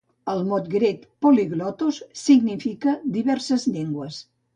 El mot grec "polyglottos" significa "diverses llengües".